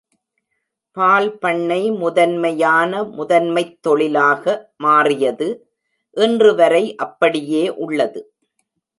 பால் பண்ணை முதன்மையான முதன்மைத் தொழிலாக மாறியது, இன்றுவரை அப்படியே உள்ளது.